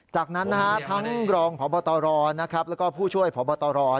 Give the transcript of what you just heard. จากนั้นทั้งกรองพบรและผู้ช่วยพบร